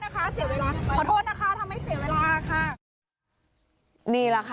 ขอโทษนะคะทำไมเสียเวลาค่ะ